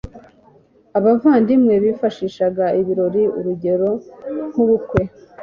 Abavandimwe bifashishaga ibirori urugero nk ubukwe